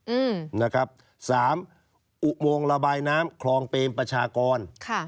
๓อุโมงยักษ์ระบายน้ำคลองเป็มประชากร